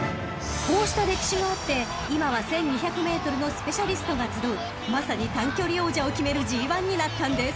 ［こうした歴史があって今は１，２００ｍのスペシャリストが集うまさに短距離王者を決めるＧⅠになったんです］